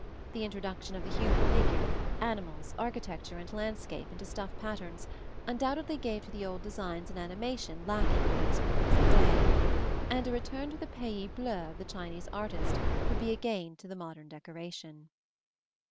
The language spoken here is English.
The introduction of the human figure, animals, architecture and landscape into stuff patterns undoubtedly gave to the old designs an animation lacking in those of the present day; and a return to the pays bleu of the Chinese artist would be a gain to modern decoration.